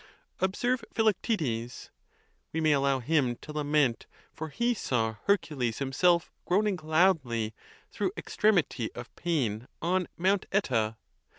Observe Philoctetes: We may allow him to lament, for he saw Hercules himself groaning loudly through extremity of pain on Mount Cita.